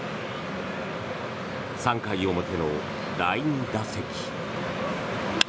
３回表の第２打席。